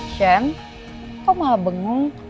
sienna kau malah bengong